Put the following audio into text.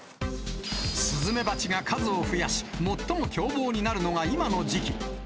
スズメバチが数を増やし、最も凶暴になるのが今の時期。